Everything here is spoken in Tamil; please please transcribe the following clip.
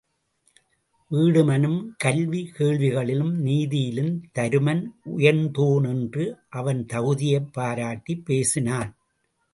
வீடுமனும் கல்வி கேள்விகளிலும் நீதியிலும் தருமன் உயர்ந்தோன் என்று அவன் தகுதியைப் பாராட்டிப் பேசினான்.